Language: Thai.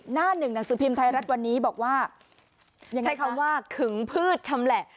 หน้าหนึ่งหนังสือพิมพ์ไทยรัฐวันนี้บอกว่ายังไงใช้คำว่าขึงพืชชำแหละ